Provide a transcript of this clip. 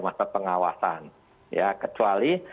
masa pengawasan ya kecuali